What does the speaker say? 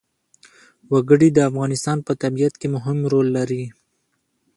وګړي د افغانستان په طبیعت کې مهم رول لري.